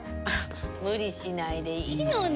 無理しないでいいのに。